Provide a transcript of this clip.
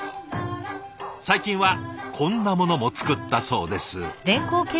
最近はこんなモノも作ったそうです。